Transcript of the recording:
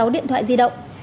một mươi sáu điện thoại di động